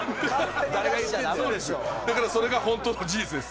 だからそれがホントの事実です。